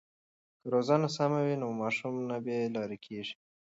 که روزنه سمه وي نو ماشوم نه بې لارې کېږي.